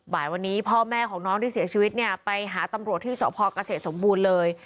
บ่ายวันนี้พ่อแม่ของน้องที่เสียชีวิตเนี่ยไปหาตำรวจที่สพเกษตรสมบูรณ์เลย